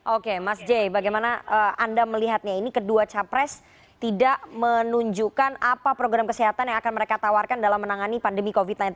oke mas j bagaimana anda melihatnya ini kedua capres tidak menunjukkan apa program kesehatan yang akan mereka tawarkan dalam menangani pandemi covid sembilan belas